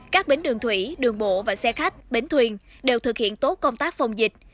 các bến đường thủy đường bộ và xe khách bến thuyền đều thực hiện tốt công tác phòng dịch